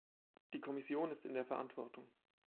Die Kommission ist in der Verantwortung.